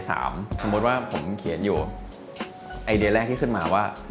สมมุติว่าผมเขียนอยู่ไอเดียแรกที่ขึ้นมาว่า